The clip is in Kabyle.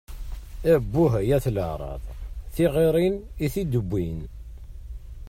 Abbuh, ay at leεṛaḍ! Tiɣirin i t-id-bbwin!